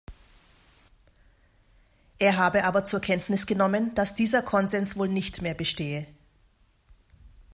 Er habe aber zur Kenntnis genommen, dass dieser Konsens wohl nicht mehr bestehe.